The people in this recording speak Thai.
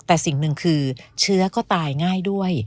แต่สิ่งหนึ่งคือเชื้อก็ตายง่ายด้วย